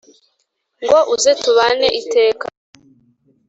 ngo uze tubane iteka